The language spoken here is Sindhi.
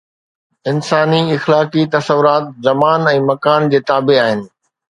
انساني اخلاقي تصورات زمان ۽ مڪان جي تابع آهن.